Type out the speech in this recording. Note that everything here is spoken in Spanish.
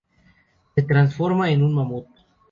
Se transforma en un mamut.